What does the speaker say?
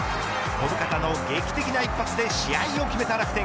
小深田の劇的な一発で試合を決めた楽天。